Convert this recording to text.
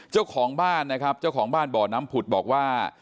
เจ้าของบ้านนะครับเจ้าของบ้านบ่อน้ำผุดบอกว่า